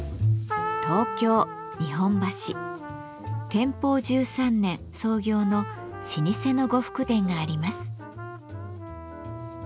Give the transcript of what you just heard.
天保１３年創業の老舗の呉服店があります。